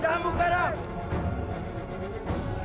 jangan buka karang